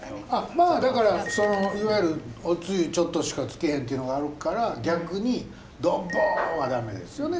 まあだからそのいわゆる「おつゆちょっとしかつけへん」っていうのがあるから逆にドッボーンは駄目ですよね。